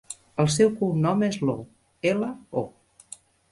El seu cognom és Lo: ela, o.